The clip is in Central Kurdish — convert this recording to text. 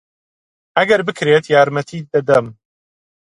ئەگەر بکرێت یارمەتیت دەدەم.